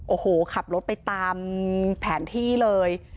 โอ้โหขับรถไปตามแผนที่เลย